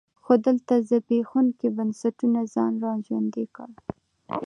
خو دلته زبېښونکي بنسټونو ځان را ژوندی کړ.